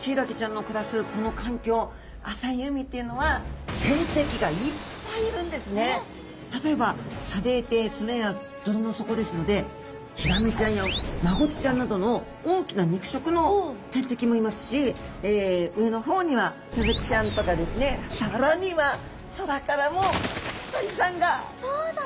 実は浅い海っていうのは例えば砂泥底砂や泥の底ですのでヒラメちゃんやマゴチちゃんなどの大きな肉食の天敵もいますし上の方にはスズキちゃんとかですねさらには空からも鳥さんが天敵なんですね。